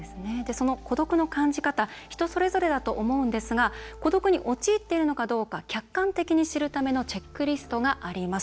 孤独の感じ方は人それぞれだと思いますが孤独に陥っているのかどうか客観的に知るためにチェックリストがあります。